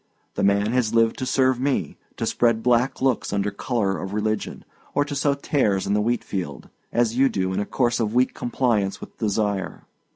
The man has lived to serve me, to spread black looks under colour of religion, or to sow tares in the wheat field, as you do, in a course of weak compliance with desire.